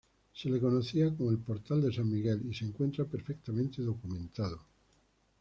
Se le conocía como el portal de San Miguel y se encuentra perfectamente documentado.